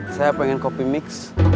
saya pengen kopi mix